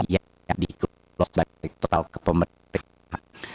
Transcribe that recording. yang dikontrol oleh total kepemerintahan